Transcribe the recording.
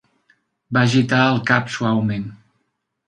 Va agitar el cap suaument.